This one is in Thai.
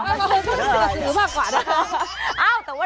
เอาล่ะครับครับรอยดูเสือภาคกว่านะค่ะ